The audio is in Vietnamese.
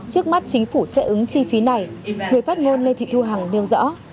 trước mắt chính phủ sẽ ứng chi phí này người phát ngôn lê thị thu hằng nêu rõ